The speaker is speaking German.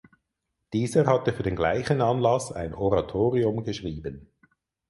Dieser hatte für den gleichen Anlass ein Oratorium geschrieben.